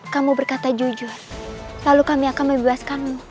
kamu berkata jujur lalu kami akan membebaskanmu